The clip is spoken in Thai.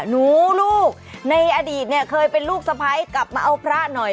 ลูกในอดีตเนี่ยเคยเป็นลูกสะพ้ายกลับมาเอาพระหน่อย